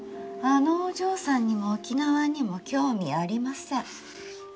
あのお嬢さんにも沖縄にも興味ありません。